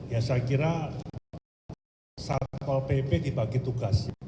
ya saya kira satpol pp dibagi tugas